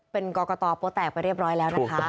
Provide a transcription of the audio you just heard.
เป็นกรกตโป๊แตกไปเรียบร้อยแล้วนะคะ